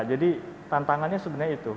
jadi tantangannya sebenarnya itu